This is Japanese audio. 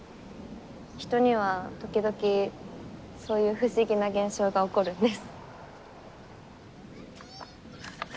人には時々そういう不思議な現象が起こるんです。